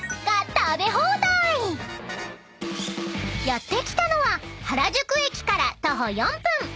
［やって来たのは原宿駅から徒歩４分］